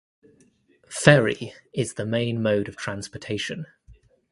Ferry is the main mode of transportation.